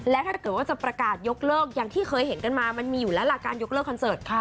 และถ้าเกิดว่าจะประกาศยกเลิกอย่างที่เคยเห็นกันมามันมีอยู่แล้วล่ะการยกเลิกคอนเสิร์ต